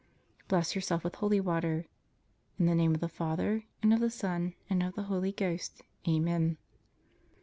Bless yourself with holy water. + In the name of the Father, and of the Son, and of the Holy Ghost. Amen.